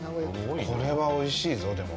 これはおいしいぞ、でも。